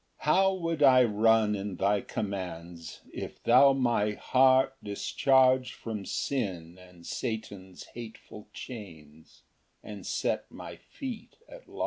Ver. 32. 3 How would I run in thy commands, If thou my heart discharge From sin and Satan's hateful chains, And set my feet at large!